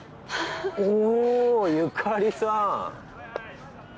おゆかりさん。